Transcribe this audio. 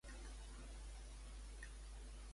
Què va haver de fer Íficles en casar-se?